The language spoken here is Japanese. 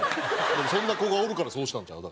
でもそんな子がおるからそうしたんちゃう？